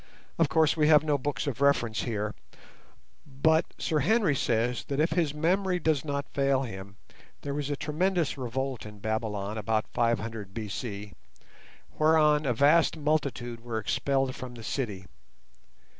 Of course we have no books of reference here, but Sir Henry says that if his memory does not fail him, there was a tremendous revolt in Babylon about 500 BC, whereon a vast multitude were expelled from the city.